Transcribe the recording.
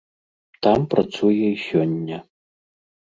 Там працуе і сёння.